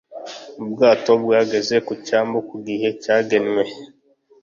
Ubwato bwageze ku cyambu ku gihe cyagenwe.